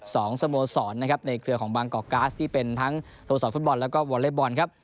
สองสโมสรนะครับในเขือของบางก็อกกราสที่เป็นทั้งสโมสรฟน์บอลแล้วก็วอร์เลศบอลครับ